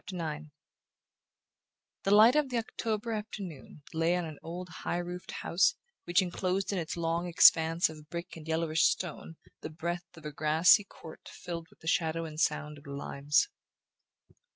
BOOK II IX The light of the October afternoon lay on an old high roofed house which enclosed in its long expanse of brick and yellowish stone the breadth of a grassy court filled with the shadow and sound of limes.